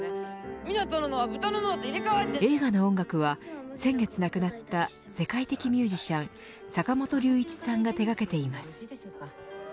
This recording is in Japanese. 映画の音楽は先月亡くなった世界的ミュージシャン坂本龍一さんが手がけています。